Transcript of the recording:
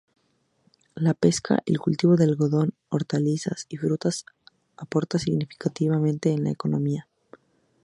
La pesca, el cultivo de algodón, hortalizas y frutas aporta significativamente en la economía.